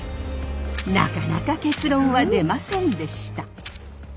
なかなか結論は出ませんでした。